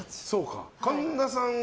神田さんは。